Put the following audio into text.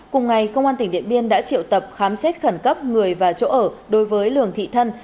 cùng ngày công an tỉnh điện biên đã triệu tập khám xét khẩn cấp người và chỗ ở đối với lường thị thân